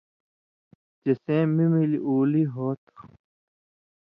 چے سَیں می مِلیۡ اُولی ہُو تھہ